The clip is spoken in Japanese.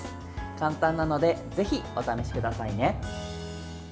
簡単なのでぜひお試しくださいね。